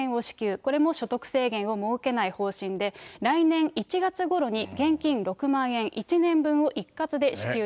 これも所得制限を設けない方針で、来年１月ごろに現金６万円、一括。